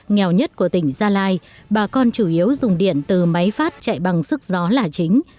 nghèo nhất của tỉnh gia lai bà con chủ yếu dùng điện từ máy phát chạy bằng sức gió là chính